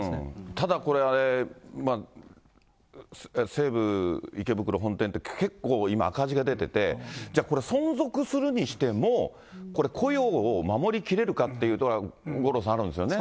ただこれ、西武池袋本店って、結構今、赤字が出てて、じゃあ、これ存続するにしても、これ、雇用を守り切れるかというところ、五郎さん、あるんですよね。